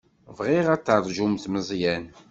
Bɣiɣ ad teṛjumt Meẓyan.